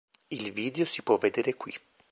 Il video si può vedere qui.